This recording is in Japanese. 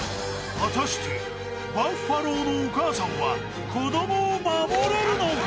果たしてバッファローのお母さんは子どもを守れるのか！？